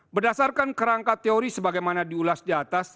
berdasarkan kerangka teori sebagaimana diulas di atas